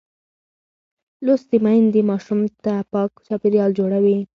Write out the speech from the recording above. لوستې میندې ماشوم ته پاک چاپېریال جوړوي.